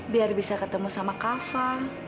biar bisa ketemu sama kava